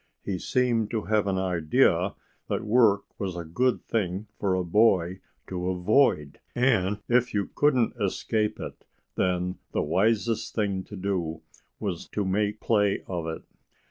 He seemed to have an idea that work was a good thing for a boy to avoid. And if you couldn't escape it, then the wisest thing to do was to make play of it.